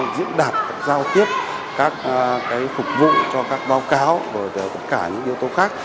diễn đạt giao tiếp các phục vụ cho các báo cáo rồi tất cả những yếu tố khác